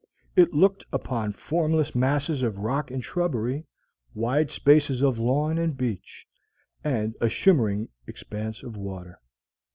It looked upon formless masses of rock and shrubbery, wide spaces of lawn and beach, and a shimmering expanse of water.